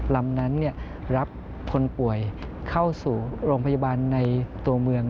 ลำนั้นรับคนป่วยเข้าสู่โรงพยาบาลในตัวเมือง